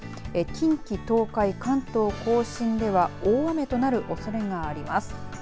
近畿、東海、関東甲信では大雨となるおそれがあります。